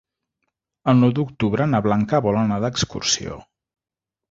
El nou d'octubre na Blanca vol anar d'excursió.